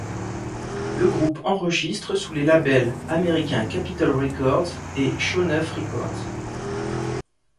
Le groupe enregistre sous les labels américains Capitol Records et Sho'nuff Records.